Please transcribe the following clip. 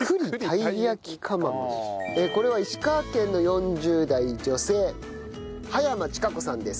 これは石川県の４０代女性羽山千香子さんです。